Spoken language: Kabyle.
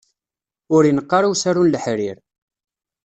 Ur ineqq ara usaru n leḥrir.